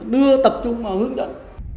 đưa tập trung vào hướng dẫn